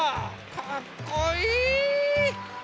かっこいい！